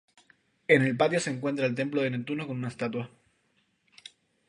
En el patio se encuentra el templo de Neptuno con una estatua.